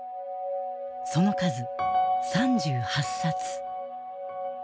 その数３８冊。